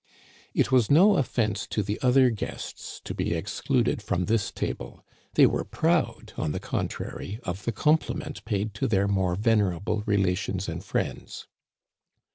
It was no offense to the other guests to be excluded from this table ; they were proud, on the contrary, of the compliment paid to their more venerable relations and friends.